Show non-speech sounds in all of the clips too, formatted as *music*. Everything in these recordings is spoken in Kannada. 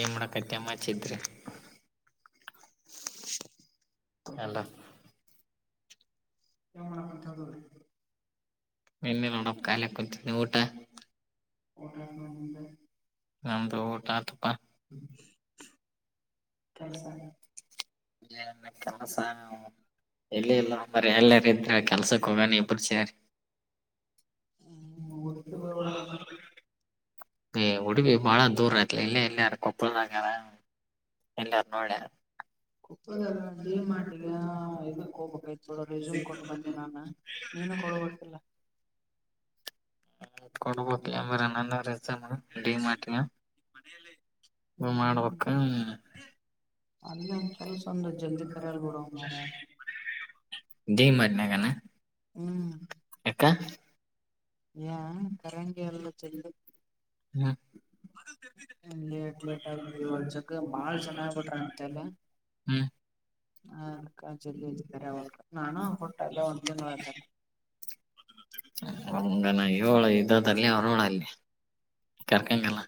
ಏನ್ ಮಾಡಡಕತ್ಯಮ್ಮಚ್ಚಿದ್ರಿ *inaudible* ಅಲ್ಲ ಕಮನು ತಗವೆ ನಿನ್ನ ನೋಡ ಕಲ್ಲ ಕುತ ಊಟ ಓಟಪ್ನ ನಂಂಬರ್ ನಮ್ದು ಊಟಾ ಆತುಪ್ಪ ಕೆಲ್ಸ ಕೆಲಸ ಎಲ್ಲಿಲ್ಲ ಅ್ರ ಎಲ್ಲ ಕೆಲಸಕ್ಕ ಹಗೆ ಎಪರು ಸರಿ ಹ್ಮ್ ಹುಡುಕಿಗ್ ಹ ಹೋಗೋಣ ಉಡುಗಿ ಬಹಳ ದೂರ ಆಯತ್ಲ ಇಲ್ಲೇ ಇಲ್ಲಾರ ಕೊಪ್ಪಳದಾಗ್ಯಾರ ಎಲ್ಲಾರ ನೋಡ ಗ ಒಪ್ಪಳದಾಗ ಡಿ ಆಿಗ ಇದಕ್ ಹೋಗ್ಬೇಕಡ ರೆಸ್ಯೂಮ್ ಕೊಟ್ಟು ಬಂದೆ ನಾನು ನೀ ಳಲ್ಲ ಕೊಡ್ಬಬೇಕಕ್ ಎಂಬರ ನನ್ನರ ಮಾಟಿನ ಹ್ಮ್ ಮಾಡುವಕ್ಕ ಅಲ್ಲೊಂದ್ ಕೆಲ್ಸ ಒಂದು ಜಲ್ದಿ ಕರಲ್ ಬಿಡು ಕೆಜಿ ಮಾರಾಯ ಮಾಡಾರಿನಗ ಹ್ಮ್ ಎಾ ನ್ ಕರಂಗಿಲ್ಲಲ್ಲ ಚಜ ಹ್ಮ ಲೇಟ್ ಲೇಟ್ ಆಗಿ ಗುಜ್ ಜಗ ಬಾಳ್ ಜನ ಆಗ್ಬಿಟ್ರ ಜ್ಹ್ಗ್ ಹ್ಮ ಹ ಅದ್ಕ್ಕ ಜಲ್ದಿ ಇದತಾರೆ ಅವಲ್ ನಾನು ಕೊಟ್ಟಲ್ಲ ಒಂದ್ ತಿಂಗ್ಳ ಆಯ್ತಲ್ಲ ಹ ಇಳ ಇದದಲ್ಲಿ ಅವರೋಳ ಅಲ್ಲಿ ಕರ್ಕಂಗಲ್ಲ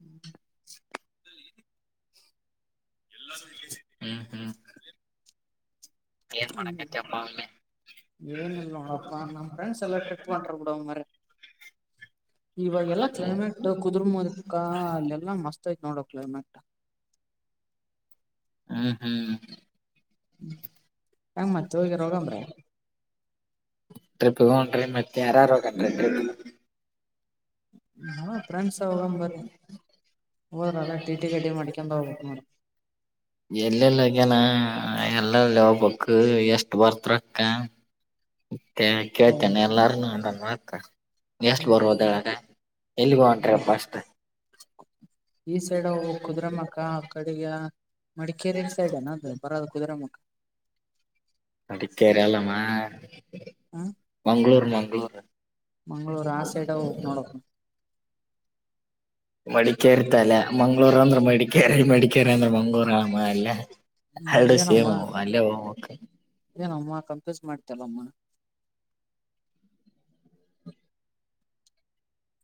ಹ್ಮ ಎಲ್ಲಾರು ಹ್ಮ್ ಹ್ಮ್ ಏನ್ ಮಾಡಕೈತಿ ಅಮ್ಮ ಅವೇ ಏನ ಇಿಲ್ಲ ನೋಡಪ್ಪಾ ನಮ್ ಫ್ರೆಂಡ್ಸ್ ಎಲ್ಲ ಟ್ರಿಪ್ ಹೊಂಟಾರ ಬಿಡ ಮ್ರ ಇವಾಗ ಎಲ್ಲಾ ಕ್ಲೈಮೇಟ್ ಕುದುರ್ಮದಕ ಇಲ್ಲೆಲ್ಲಾ ಮಸ್ತ್ ಆಯತ್ ನೋಡೋ ಕ್ಲೈಮೇಟ್ ಹ್ಮ್ ಹ್ಮ್ ಹೆಂಗ ಮತ್ತ ಹೋಗ್ಯಾರ ಹೋಗಂಬ್ರಿ ಪಗ ಮತ್ತೆ ಯರಾರೋಗನ್ ಹಾ ಫ್ರೆಂಡ್ಸ ಹೋಗ ಬರ ಹೋದ್ರ ಅದ ಟಿ ಟಿ ಗಡ್ಡಿ ಮಾಡ್ಕೊಂಡ ಹೋಗ್ಬೇಕಕ್ ನೋಡ್ರ ಎಲ್ಲೆಲ್ಲಗನಾ ಎಲ್ಲಲ್ಲಿ ಹಬಕ್ ಎಷ್ಟ ಬರ್ತ್ರಕ್ಕ ಮತ್ತೆ ಕೇಳ್ತೇನೆ ಎಲ್ಲಾರನು ಅಂದ ಮಾಡತ ಎಸ್ಟ್ ಬರುವದಳಗೆ ಎಲ್ಲಿಗೋ ಅಂಟ್ರ ಹ್ಮ ಅಪ್ಪ ಅಷ್ಟೆ ಈ ಸೈಡ್ ಕುದುರಮಕ್ಕ ಆ ಕಡೆಗ ಮಡಿಕೇರಿ ಸೈಡ್ ಅನ ಬರೋದು ಕುದುರೆೆ ಮುಖ ಅಡಕ್ಕೆರಲ ಹ ಮಂಗಳೂರು ಮಂಗಳೂರು ಮಂಗಳೂರು ಆ ಸೈಡ್ ಹೋಗ್ಬೇಕ್ *unintelligible* ನೋಡಪ್ಪ ಮಡಿಕೇರಿತಲ್ಲ ಮಂಗ್ಳೂರ್ ಅಂದ್ರ ಮಡಿಕೇರಿ ಮಡಿಕೇರಿ ಅಂದ್ರ ಮಂಗರು ಆಮ ಎಲ್ಲ ಅಡೆ ಸೇಮ್ ಆ ಅಲ್ಲೇ ಹ ೆ ಇದೇನ ಅಮ್ಮ ಕಂಪ್ಯೂಸ್ ಮಾಡ್ತಲ್ಲ ಅಮ್ಮ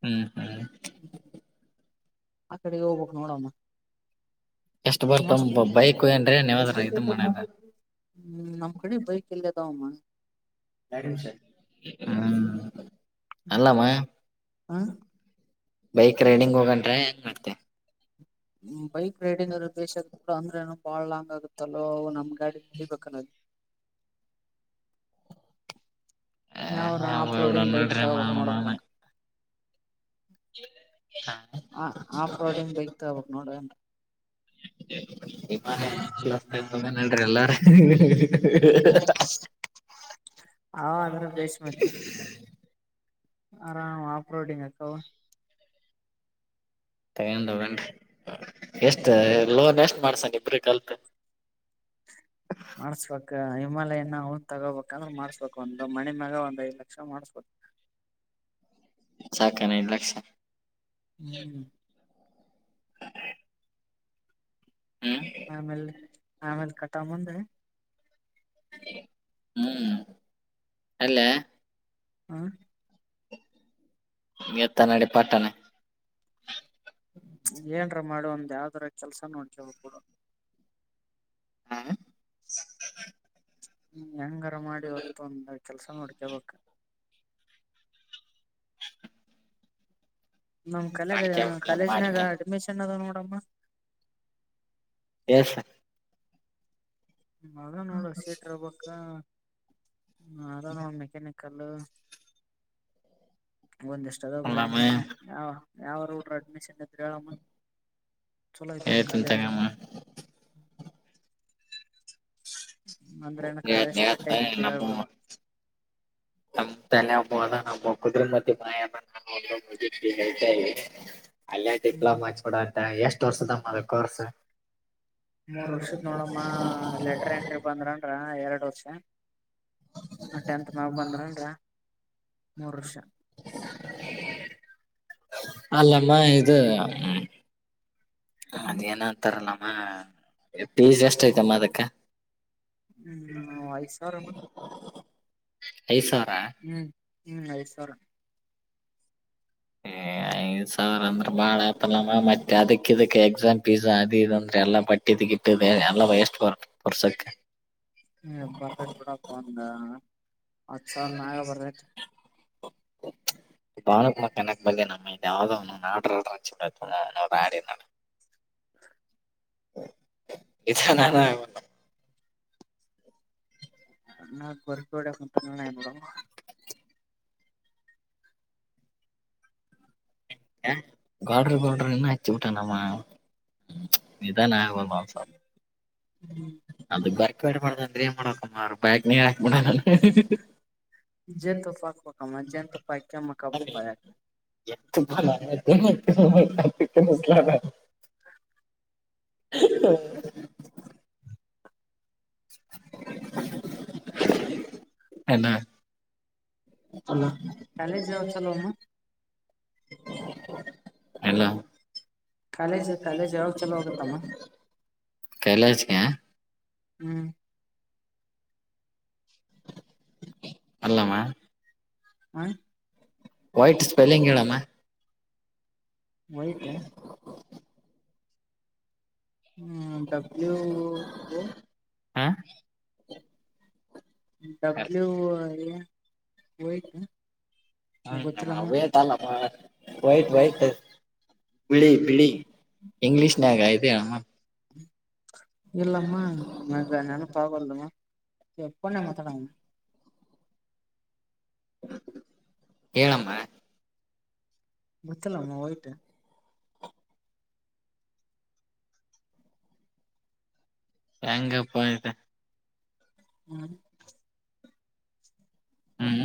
ಹ್ಮ್ ಹ್ಮ್ ್ಮ ಆ ಕಡೆ ಹೋಗ್ಕ್ ನೋಡಮ್ಮ ಎಷ್ಟು ಬರ್ತ ಮಸ್ತ್ ಬೈಕ್ ಏನ್್ ನೀವದ್ರ ಇದ ಮನದ ಹ್ಮ್ ನಮ್ ಕಡೆ ಬೈಕ್ ಎಲ್ಲ ಅದಾವಮ್ಮ ಸರಿ ಸರ್ ಹ ಅಲ್ಲಾಮಾ ಹ ಬೈಕ್ ರೈಡಿಂಗ್ ಹೋಗಟ್ರ ಹೆಂಗ ಮಾಡ್ತೆ ಬೈಕ್ ರೈಡಿಂಗ್ ಅ್ರ ಬೇಷ ಆಗತ್ ಕೂಡ ಅಂದ್ರೇನು ಬಾಳ್ ಲಾಂಗ್ ಆಗತ್ತಲ್ಲೋ ನಮ್ ಗಾಡಿ ನಡಿಬೇಕಲ್ಲ *inaudible* ಯಾವ್ರ ಆಪ್ ಡ ರೋಡಿಂಗ್ ಬೈಕ್ ನೋಡ್ರಿ ತಗೋಬಕ್ ನೋಡಪ್ಪಂಗ ಹ ಹ ಆಫ್ ರೋಡಿಂಗ್ ಬೈತಬಕ್ ನೋಡಏನ್ *inaudible* ನಿಮ್ಮಸ್ ನಡ್ರಿ ಎಲ್ಲಾರ ಅವ ಅದ್ರ ಬೇಸ್ *inaudible* ಆರಾಮ ಆಫ್ರೋಡಿಂಗ್ ಅ ಕ *unintelligible* ಎಷ್ಟ ಲೋನ್ ಎಷ್ಟ್ ಮಾಡ್ಸತ್ ಪ್ರಿ ಕಾಲ್ಪೇ. ಮಾಡ್ಸ್ಬೇಕ *unintelligible* ಲೋನ್ ತಗೋಬೇಕಂದ್ರೆ ಮಾಡ್ಸ್ಬೇಕಕ್ ಒಂದ್ ಮನಿ ಮ್ಯಾಗ ಒಂದ್ ಐದ್ ಲಕ್ಷ ಮಾಡ್ಸ್ಬೇಕು. *inaudible* ಸಾಕೇನ್ ಐದ್ ಲಕ್ಷ? ಹ್ಮ ಹ್ಮ್ ಆಮೇಲ್ ಆಮೇಲ್ ಕಟ್ಟಾ ಮುಂದೆ ಹ್ಮ್ ಎಲ್ಲೇ. ಹಾ ಎತ್ತಾನಡಿ ಪಾತ್ತನೆ. ಏನ್ರ ಮಾಡಿ ಒಂದ್ ಯಾವ್ದಾರ ಕೆಲ್ಸ ನೋಡ್ಕಬೇಕು. ಹ್ಮ ಹ್ಮ್ ಹೆಂಗಾರ ಮಾಡಿ ಇವತ್ತೊಂದುಕೆಲ್ಸ ನೋಡ್ಕಬೇಕು. ನಮ್ ಕಲೆಗ ಮಾಡ್ಕ ಕಾಲೇಜ್ನಾಗ ಮಾಡ್ಕ ಅಡ್ಮಿಷನ್ ಅದ ನೋಡಮ್ಮ. ಎಷ ಹ್ಮ ಅದ ನೋಡ *unintelligible* ಹ ಅದ ನೋಡ್ ಮೆಕ್ಯಾನಿಕಲ್ಲು. ಒಂದ್ ಇಷ್ಟ ಅದಾವ್ ಅಲ್ಲಮ್ಮ ಬ್ರಾಂಚ್ ಯಾವ ಯಾವೋಡ್ರ ಅಡ್ಮಿಶನ್ ಇದ್ರ ಹೇಳಮ್ಮ. ಚಲೋ ಐತ್ ಏ ನೋಡ್ ಕಾಲೇಜ್ ತಿಂತಾಯಾಮ. ಅಂದ್ರ ಏನ ಕಾಲ ಹೇಳ್ತೀನಿ ಸ್ಟ್ರಿಕ್ಟ್ ಹೇಳ್ತ ಆಯ್ತಂತ ನಮ್ಮ ಹೇಳ್ಬಿಡಮ. ನಮ್ ತಲೆ *unintelligible* ಹ್ಮ್ *unintelligible* ಎಷ್ಟು ವರ್ಷದಮ್ಮ ಅದು ಕೋರ್ಸು? ಹ ಮೂರ್ *inaudible* ವರ್ಷದ್ ನೋಡಮ್ಮ ಲೆಟರ್ ಎಂಟ್ರಿ ಬಂದ್ರಂದ್ರ ಎರಡ್ ವರ್ಷ ಟೆಂತ್ ಮಾರ್ಕ್ ಬಂದರೇನ್ರೀ? ಮೂರ್ ವರ್ಷ. ಅಲ್ಲೆಲ್ಲ ಇದು ಹ್ಮ್ ಅದೇನ ಅಂತಾರಲ್ಲಮ್ಮ ಫೀಸ್ ಎಷ್ಟ ಅಯ್ತಮ್ಮ ಅದಕ್ಕ? ಹ್ಮ್ ಐದು ಸಾವಿರಮ್ಮ. ಐದ್ ಸಾವ್ರ. ಹ್ಮ್ ಹ್ಮ್ ಐದ್ ಸಾವ್ರ. *inaudible* ಐದ್ ಸಾವಿರ ಅಂದ್ರ ಬಾಳ ಆತಲಮ್ಮ ಮತ್ತೆ ಅದಕ್ ಇದಕ್ಕೆ ಎಕ್ಸಾಮ್ ಫೀಸ್ ಅದು ಇದು ಅಂತ ಎಲ್ಲಾ ಬಟ್ಟಿದ ಇಟ್ಟಿದೆ ಆಲ್ಲಲ ಎಷ್ಟ್ ಬರ್ತದೆ ಪರ್ಸೆಂಟು ವರ್ಷಕ್ಕೆ. ಬರ್ಬೇಕೂಡ ಒಂದ ಹತ್ ಸಾವಿರನಾಗ ಬರ್ಬೇಕು. *inaudible* *unintelligible* *inaudible* ಇದಾನ *unintelligible* *unintelligible* ನಾ ಬುರ್ಕ ಹೊಡಕ್ ಕುಂತ ನೋರು ಹ ಗಾಡ್ರಿ ಗೋಡ್ರ ಇನ್ನ ಹಚ್ಚಿ ಊಟ ನಮ್ಮ ನಿಧಾನ ಆಗ ಮಾಂಸ. ಹ್ಮ್ ಬೈಕ್ ಬೇಡ್ ಮಾಡ ಅಂದ್ರೆನ್ ಮಾಡ ಕುಮಾರ ಬೈಕ್ ನೀರ್ ಹಾಕ್ ಬಿಡ ಜೇನ್ ತಪ್ಪ ಹಾಕ್ಬೇಕಮ್ಮ ಜೇನ್ತುಪ್ಪಕ ಹಾಕ್ದೆ ನಾನು. ಮಕ್ಕಬುಡ್ತಾರೆ *inaudible* ಹ *inaudible* ಹ *inaudible* ಅಲ್ಲ. ಚಲೋ ಕಾಲೇಜ ಜಾವ ಚಲೋ ಅಮ್ಮ. ಕಾಲೇಜ್ ಕಾಲೇಜ್ ಯಾವಾಗ ಚಲೋ ಆಗುತ್ತಮ್ಮ *unintelligible* ಕಲ *unintelligible* ಹ್ಮ್ ಅಲ್ಲಮ ಹ ವಾಟ್ ಸ್ಪೆಲ್ಲಿಂಗ್ ಹೇಳಮ್ಮ. ವೈಟ್ ಅ ಹ್ಮ ಡಬ್ಲು ಒ ಆ ಡಬ್ಲ್ಯೂ ಓ *unintelligible* ಹ್ಮ ಗೊತ್ತಿಲ್ಲಮ್ಮ ವೇಟ್ ಅಲ್ಲಪ್ಪಾ ವೈಟ್ ವೈಟ್. ಬಿಳಿ ಬಿಳಿ ಇಂಗ್ಲಿಷ್ನಗ *unintelligible* ಅಮ್ಮ ಹ್ಮ ಇಲ್ಲಮ್ಮ ನನಗ್ ನೆನ್ಪ್ ಆಗವದಮ್ಮ ಎಪ್ಪನ್ನೆ ಮಾತಾಡ *inaudible* ಹೇಳಮ್ಮ *unintelligible* ವೈಟ್ ಉ ಹೆಂಗಪ್ಪಾ ಇದ್ ಹ್ಮ್ ಹ್ಮ್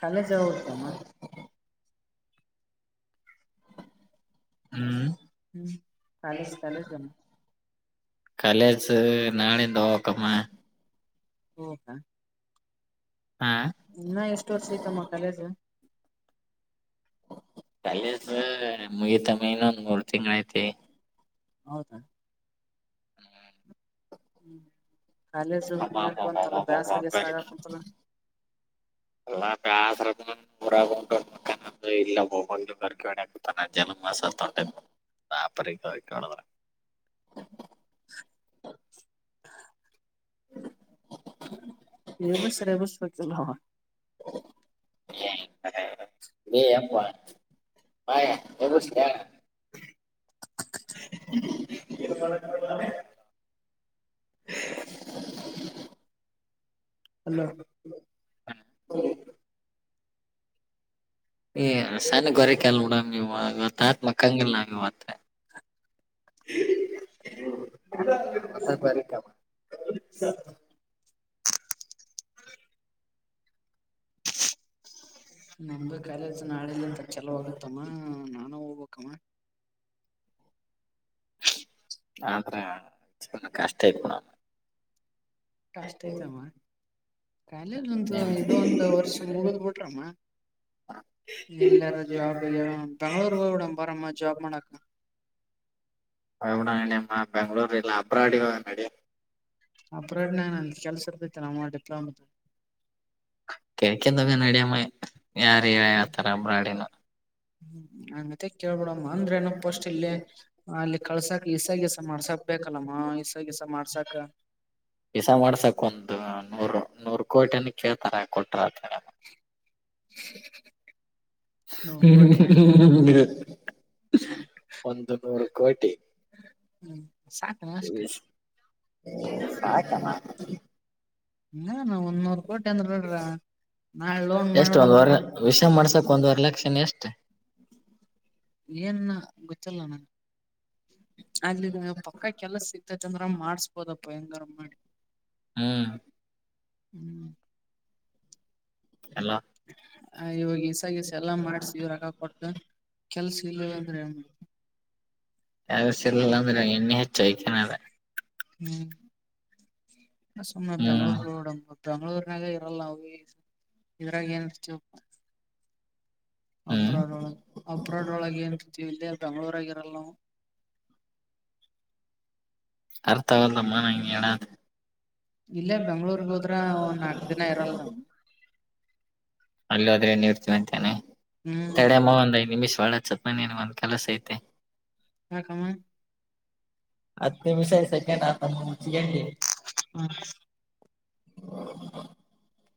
ಕಾಲೇಜವ *unintelligible* ಯಮ್ಮ ಹ್ಮ್ ಹ್ಮ್ ಕಾಲೇಜ್ ಕಾಲೇಜ್ ಅಮ್ಮ. ಕಾಲೇಜು ನಾಳಿಂದ ಹೋಕಮ್ಮ. ಓ ಹಾ ಹಾ ಇನ್ನ ಎಷ್ಟ್ ವರ್ಷ ಐತಮ್ಮ ಕಾಲೇಜ್. ಕಾಲೇಜು ಮುಗಿತಮ್ಮ ಇನ್ನೊಂದ್ ಮೂರು ತಿಂಗ್ಳ್ ಐತಿ. ಹೌದ. ಹ್ಮ್ ಹ್ಮ್ ಕಾಲೇಜು ಅಬ್ಬಾ ಅಬ್ಬಾ ಮುಗ್ಯಾಕ್ ಅಬ್ಬಾ ಅಬ್ಬಾ ಅಂತಲ್ಲ ಅಬ್ಬಾ ಬ್ಯಾಸಿಗೆ ಅಬ್ಬಾ. ಸಾಗಕ್ ಕುಂತಲ್ಲ ಎಲ್ಲಾ ಬ್ಯಾಸ್ರ್ *unintelligible* ಇಲ್ಲ ಹೋಗಬ ಕರ್ಕಿ ಆಗ್ತಾನ ಜನ್ ಮಾಸ *unintelligible* *unintelligible* *inaudible* ಏನು ಸಿಲ್ಲಬಸ್ ಗೊತ್ತಿಲ್ಲವ್ವ. *unintelligible* *inaudible* ಅಲೋ *unintelligible* *inaudible* ಏ ಸಲೆ ಗೊರಿಕ್ *unintelligible* ಇವತ್ತ್ *inaudible* *unintelligible* ನಮ್ದು ಕಾಲೇಜ್ ನಾಳೆಲ್ಲಿ ಎಂತ ಚಾಲು ಆಗುತ್ತಮ್ಮ ನಾನೂ ಹೋಗ್ಬೇಕಮ್ಮ. ಆದ್ರ *unintelligible* ಕಷ್ಟ *unintelligible* ಕಷ್ಟ್ ಐತಮ್ಮ ಕಾಲೇಜ್ ಒಂದು ಇದೊಂದು ವರ್ಷ ಮುಗುದ್ ಬಿಟ್ರಮ್ಮ ಎಲ್ಲಾರ ಜಾಬ್ ಬೆಂಗ್ಳೂರ್ ಹೋಗ್ ಬಿಡಮ್ ಬಾ ರಮ್ಮ ಜಾಬ್ ಮಾಡಾಕ. *unintelligible* ಬೆಂಗ್ಳೂರು ಇಲ್ಲ ಅಬ್ರಾಡಿಗ್ ಹೋಗನ್ ನಡಿಯಮ್ಮ. ಅಬ್ರಾಡ್ನಾಗ ನನ್ಗೆ ಕೆಲ್ಸ ಇರತೈತೆನಮ್ಮ ಡಿಪ್ಲೊಮದು. ಕೆಳ್ಕದಾಗ ನಡ್ಯಮ್ಮ ಯಾರ ಯಾವತರ ಬ್ರಾಡಿನ ಹ್ಮ್ ಮತ್ತ ಕೇಳ್ಬಿಡಮ್ಮ ಅಂದ್ರೆ ಏನಪ್ಪ ಅಷ್ಟಟ್ ಇಲ್ಲಿ ಅಲ್ಲಿ ಕಳ್ಸಾಕ್ ಈಸಸ ಮಾಡ್ಸಕ್ ಬಬೇಕಲ್ಲಮ್ಮಸ ಗೆಸ ಮಾಡ್ಸಾಕ ಪಸ ಮಾಡ್ಸಕ್ ಒಂದು ನೂರ್ ನೂರ್ ಕೋಟಿಯನ್ ಕೇಳ್ತಾರ ಕೊಟ್ರ ಹ ಒಂದು ನೂರು ಕೋಟಿ ಹ್ಮ್ ಸಾಕಣ ಅಷ್ಟ ಆಕನಾ ಹ ನಾವ ಒಂದ ನೂರ್ ಕೋಟಿ ಅಂದ್ರ ನೋಡ್ರ ನಾಳೆ ಲೋನ್ ಎಷ್ಟ ಒಂದ್ ಮಾಡೋಡಂಬಾರ ವರ್ ವಿಷ ಮಾಡ್ಸಕ್ ಒಂದ್ ವರ್ ಲಕ್ಷನ ಎಷ್ಟೇ ಏನ್ ಗೊತ್ತಲ್ಲ ನನ್ ಅಲ್ಲಿ ಪಕ್ಕ ಕೆಲಸ ಸಿಗ್ತ ಚಂದ್ರ ಮಾಡ್ಸ್ಬೋದಪ್ಪ ಹೆಂಗಾರ ಮಾಡಿ ಹ್ಮ್ ಹ್ಮ್ ಎಲ್ಲ ಹ ಇವಾಗ ಈಸಗೀಸ ಎಲ್ಲಾ ಮಾಡ್ಸಿ ಇವ ರಗ ಕೊಟ್ಟ ಕೆಲ್ಸ ಇಲ್ಲವ ಅಂದ್ರೆ ಏನ್ ಮಾಡ್ ಯಸ ಎಲ್ಲ ಇನ್ನಿ ಹೆಚ್ಚಯಾನ ಅದ ಹ್ಮ್ ಸುಮ್ನೆ ಹ್ಮ್ ಬೆಂಗ್ಳೂರ್ಡ ಬೆಂಗಳೂರಿನಾಗ ಇರಲ್ಲ ನ ಈ ಇದ್ರಾಗ ಏನ್ ಹ್ಮ್ ಅಪ್ರಾಡ್ಳಗ್ ಅಪ್ರಾಡ್ ಒಳಗೆ ಏನ್ರ್ತಿವಿ ಇಲ್ಲಿ ಬೆಂಗ್ಗಳೂರ ಆಗಿರಲ್ಲ ನಾವು ಅರ್ಥಾವಲ್ಲದಮ್ಮ ನಾ ಯನ ಇಲ್ಲೇ ಬೆಂಗ್ಳೂರ್ಗ್ ಹೋದ್ರ ಒ ನಾಕ್ ದಿನ ಇರಲ್ ನಾವವು ಅಲ್ಲ ಹದ್ರೆಏನ್ ಇಡ್ತೀವಿ ಅಂತೇನೆ ಹ್ಮ್ ಕಡಮ್ಮ ಒಂದ್ ಐದ್ ನಿಮಿಷ ಬಾಳ ಚಪ್ ಮನೇನು ಒಂದ್ ಕೆಲಸ ಐತೆ ಹಕಾಮ ಅತ್ತೆ ವಿಷಾಯ ಸಕಂಡ ಆ ಹ್ಮ *inaudible*